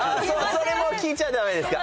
それも聞いちゃダメですか？